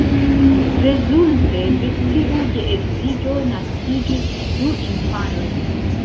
Rezulte de tiu geedziĝo naskiĝis du infanoj.